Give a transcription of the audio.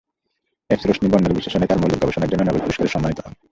এক্স-রশ্মি বর্ণালী বিশ্লেষণে তার মৌলিক গবেষণার জন্য নোবেল পুরস্কারে সম্মানিত হন।